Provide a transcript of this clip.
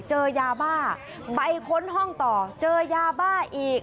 เจอยาบ้าไปค้นห้องต่อเจอยาบ้าอีก